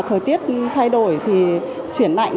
thời tiết thay đổi chuyển lạnh